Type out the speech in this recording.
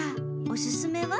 おすすめは？